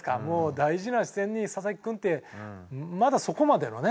大事な初戦に佐々木君ってまだそこまでのね